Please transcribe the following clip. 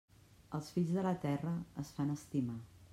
Els Fills de la Terra es van estimar.